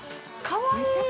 かわいい！！